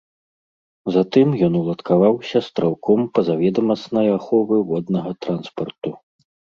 Затым ён уладкаваўся стралком пазаведамаснай аховы воднага транспарту.